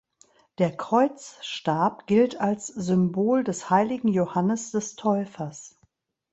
Der Kreuzstab gilt als Symbol des heiligen Johannes des Täufers.